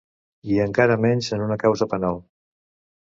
I encara menys en una causa penal.